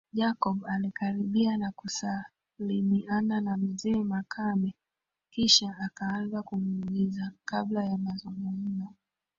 Jacob alikaribia na kusalimiana na mzee Makame kisha akaanza kumuuliza kabla ya mazungumzo